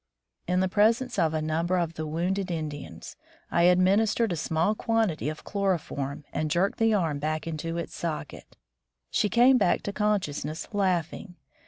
In the presence of a number of the wounded In dians, I administered a small quantity of chloroform and jerked the arm back into its socket. She came back to consciousness laughing.